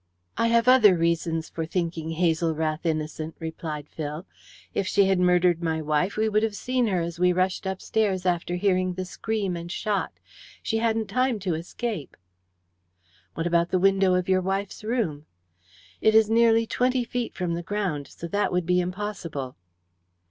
"I have other reasons for thinking Hazel Rath innocent," replied Phil. "If she had murdered my wife we would have seen her as we rushed upstairs after hearing the scream and shot. She hadn't time to escape." "What about the window of your wife's room?" "It is nearly twenty feet from the ground, so that would be impossible."